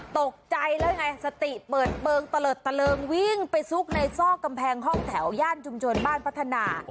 ตกใจแล้วไงสติเปิดเปลืองตะเลิดตะเริงวิ่งไปซุกในซอกกำแพงห้องแถวย่านชุมชนบ้านพัฒนา